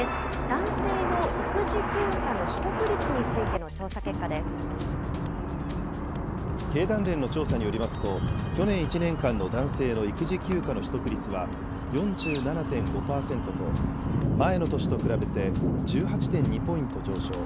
男性の育児休暇の取得率について経団連の調査によりますと、去年１年間の男性の育児休暇の取得率は４７．５％と、前の年と比べて１８．２ポイント上昇。